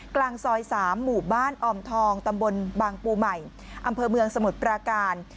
กลางซอย๓หมู่บ้านออมทองตำบลบางปูใหม่อำเภอเมืองสมุทรปราการ